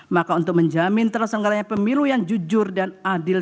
maka untuk menjamin tersenggaranya pemilu yang jujur dan adil